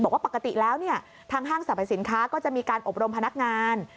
บอกว่าปกติแล้วเนี่ยทางห้างสรรพสินค้าก็จะมีการอบรมพนักงาน